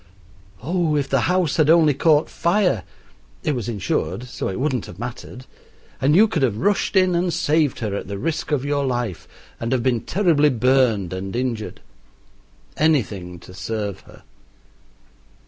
Oh, if the house had only caught fire it was insured, so it wouldn't have mattered and you could have rushed in and saved her at the risk of your life, and have been terribly burned and injured! Anything to serve her.